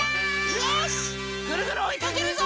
よしぐるぐるおいかけるぞ！